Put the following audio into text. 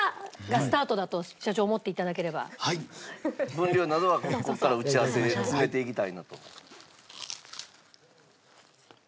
分量などはここから打ち合わせで詰めていきたいなと。